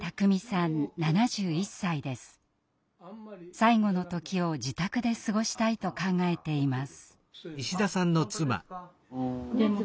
最期の時を自宅で過ごしたいと考えています。